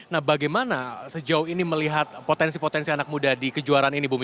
nah bagaimana sejauh ini melihat potensi potensi anak muda di kejuaraan ini bumi